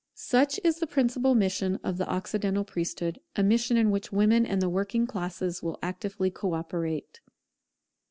Such is the principal mission of the Occidental priesthood, a mission in which women and the working classes will actively co operate.